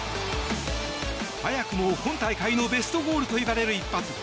早くも今大会のベストゴールといわれる一発。